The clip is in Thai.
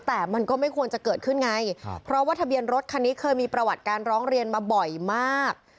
แต่มันก็ไม่ควรจะเกิดขึ้นไงเพราะว่าทะเบียนรถคันนี้เคยมีประวัติการร้องเรียนมาบ่อยมาก